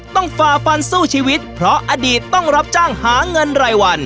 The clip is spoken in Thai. ฝ่าฟันสู้ชีวิตเพราะอดีตต้องรับจ้างหาเงินรายวัน